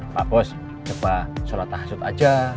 pak bos coba sholat tahasud aja